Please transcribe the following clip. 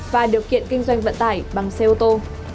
và điều kiện kinh doanh vận tải bằng xe ô tô